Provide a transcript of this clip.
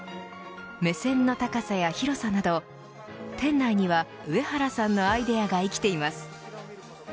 目線の高さや広さなど店内には上原さんのアイデアが生きています。